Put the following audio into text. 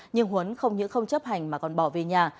nhưng huấn không những không chấp hành mà còn bỏ về nhà